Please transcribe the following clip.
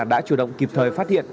đã chủ động kịp thời phát hiện